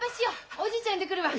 おじいちゃん呼んでくるわ。